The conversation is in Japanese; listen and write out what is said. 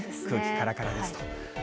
空気からからですと。